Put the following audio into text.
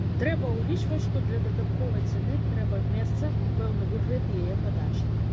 Трэба ўлічваць, што для дадатковай цэны трэба месца і пэўны выгляд яе падачы.